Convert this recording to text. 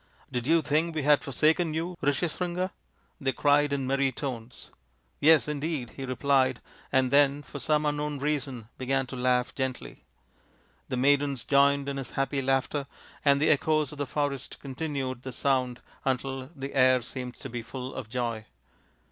" Did you think we had forsaken you, Rishyas ringa ?" they cried in merry tones. " Yes, indeed, 55 he replied, and then for some unknown reason began to laugh gently. The maidens joined in his happy laughter, and the echoes of the forest continued the sound until the air seemed to be full of joy.